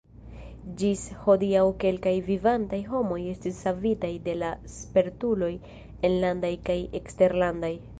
Ĝis hodiaŭ kelkaj vivantaj homoj estis savitaj de la spertuloj enlandaj kaj eksterlandaj.